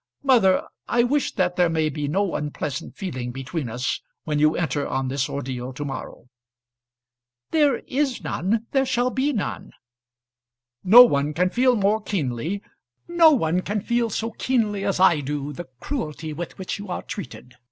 Mother, I wish that there may be no unpleasant feeling between us when you enter on this ordeal to morrow." "There is none; there shall be none." "No one can feel more keenly, no one can feel so keenly as I do, the cruelty with which you are treated.